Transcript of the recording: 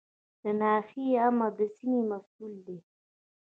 د ناحیې آمر د سیمې مسوول دی